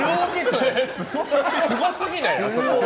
すごすぎない？